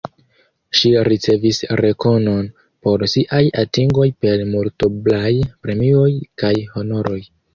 Ŝi ricevis rekonon por siaj atingoj per multoblaj premioj kaj honoroj.